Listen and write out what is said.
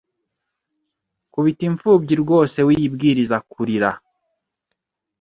kubita imfubyi rwose wiyibwiriza kurira